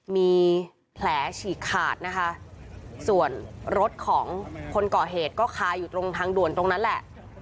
มีแผลฉีกขาดนะคะส่วนรถของคนก่อเหตุก็คาอยู่ตรงทางด่วนตรงนั้นแหละ